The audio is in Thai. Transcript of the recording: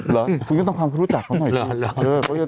เหรอคุณก็ต้องความรู้จักเขาหน่อยสิ